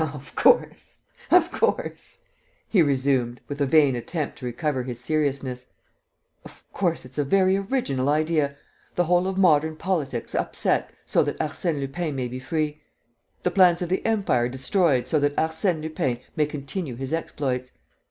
"Of course, of course!" he resumed, with a vain attempt to recover his seriousness. "Of course, it's a very original idea: the whole of modern politics upset so that Arsène Lupin may be free! ... The plans of the Empire destroyed so that Arsène Lupin may continue his exploits!